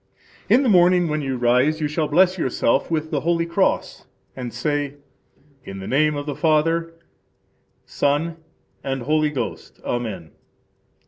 In the morning, when you rise, you shall bless yourself with the holy cross and say: In the name of God the Father, Son, and Holy Ghost. Amen.